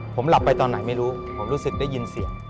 ผมหลับไปตอนไหนไม่รู้ผมรู้สึกได้ยินเสียง